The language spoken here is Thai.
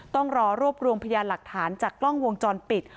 ต้องรอรวบรวมพยานหลักฐานจากกล้องวงจรปิด